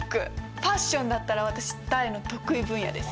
ファッションだったら私大の得意分野です。